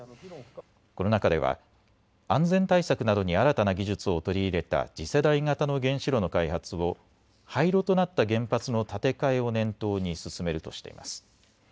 この中では安全対策などに新たな技術を取り入れた次世代型の原子炉の開発を廃炉となった原発の建て替えを念頭に進めるとしています。